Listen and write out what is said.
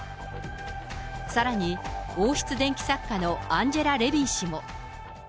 さらに、王室伝記作家のアンジェラ・レビン氏も。